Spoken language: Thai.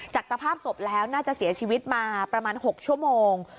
สภาพศพแล้วน่าจะเสียชีวิตมาประมาณ๖ชั่วโมง